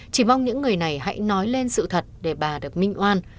chỉ mong những người này hãy nói lên sự thật để bà được minh oan